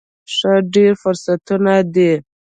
ښه، ډیر فرصتونه دي